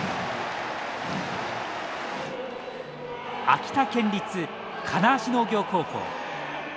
秋田県立金足農業高校。